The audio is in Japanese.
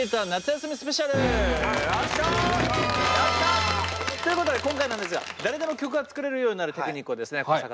やった！ということで今回なんですが誰でも曲が作れるようになるテクニックをですね古坂